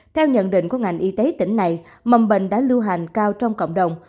theo nhận định của ngành y tế tỉnh này mầm bệnh đã lưu hành cao trong cộng đồng